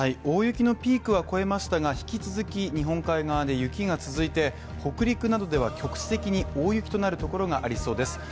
大雪のピークは越えましたが引き続き日本海側で雪が続いて北陸などでは局地的に大雪となるところがありそうです。